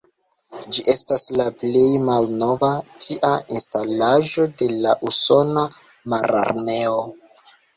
Ĝi estas la plej malnova tia instalaĵo de la usona mararmeo.